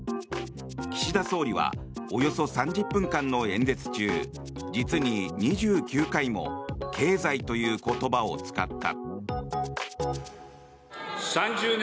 岸田総理はおよそ３０分間の演説中実に２９回も経済という言葉を使った。